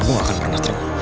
gue gak akan pernah terima